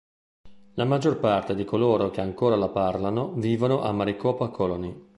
La maggior parte di coloro che ancora la parlano vivono a Maricopa Colony.